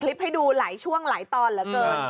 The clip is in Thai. ให้ดูหลายช่วงหลายตอนเหลือเกิน